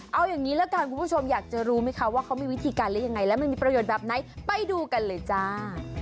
เอาอย่างนี้ละกันคุณผู้ชมอยากจะรู้ไหมคะว่าเขามีวิธีการหรือยังไงและมันมีประโยชน์แบบไหนไปดูกันเลยจ้า